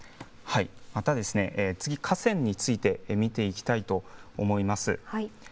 また、次、河川について見ていきたいと思います。